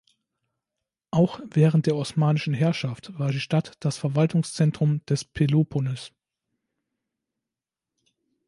Auch während der Osmanischen Herrschaft war die Stadt das Verwaltungszentrum des Peloponnes.